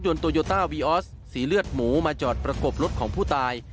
โตโยต้าวีออสสีเลือดหมูมาจอดประกบรถของผู้ตาย